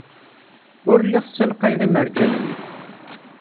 Ur lliɣ ssalqayeɣ imerjan-nni.